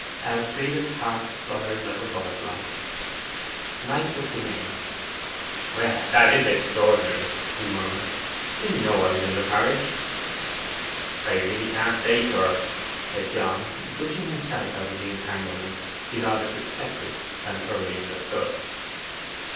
Elfride's heart fluttered like a butterfly. Knight looked amazed. 'Well, that is extraordinary.' he murmured. 'Did he know I was in the parish?' 'I really can't say, sir,' said John, wishing himself out of the entanglement he rather suspected than thoroughly understood.